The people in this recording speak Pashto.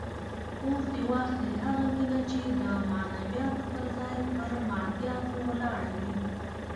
اور دې واخلي هغه مینه چې د معنویاتو پر ځای پر مادیاتو ولاړه وي.